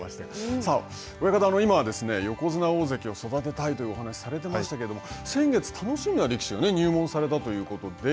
さあ、親方、今は、横綱、大関を育てたいというお話をされてましたけど、先月、楽しみな力士が入門されたということで。